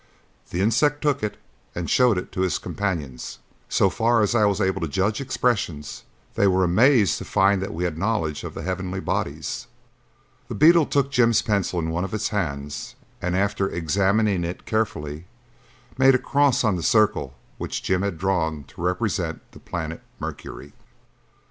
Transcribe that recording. The insect took it and showed it to his companions; so far as I was able to judge expressions, they were amazed to find that we had knowledge of the heavenly bodies. The beetle took Jim's pencil in one of its hands and, after examining it carefully, made a cross on the circle which Jim had drawn to represent the planet Mercury.